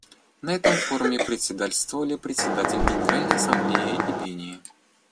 На этом Форуме председательствовали Председатель Генеральной Ассамблеи и Бенин.